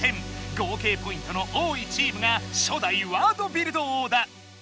合計ポイントの多いチームが初代ワードビルド王だ！